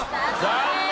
残念。